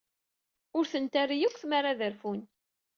Ur ten-terri akk tmara ad rfun.